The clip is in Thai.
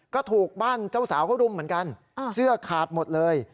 ก็ถูกบ้านเจ้าสาวเขารุมเหมือนกันเสื้อขาดหมดเลย